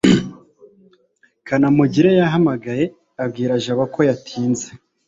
kanamugire yahamagaye abwira jabo ko yatinze